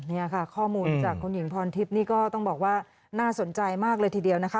นี่ค่ะข้อมูลจากคุณหญิงพรทิพย์นี่ก็ต้องบอกว่าน่าสนใจมากเลยทีเดียวนะคะ